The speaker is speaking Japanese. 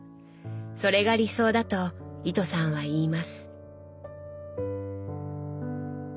それが理想だと糸さんは言います。